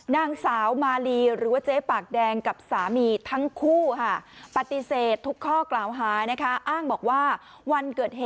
นางสาวมาลีหรือว่าเจ๊ปากแดงกับสามีทั้งคู่ค่ะ